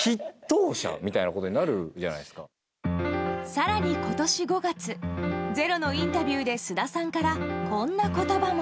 更に今年５月「ｚｅｒｏ」のインタビューで菅田さんから、こんな言葉も。